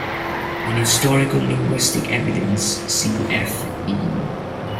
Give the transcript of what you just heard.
On historical linguistic evidence, see f.e.